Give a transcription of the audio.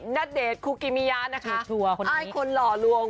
ณเดชคุกิเมียอ้ายคนหล่อลวง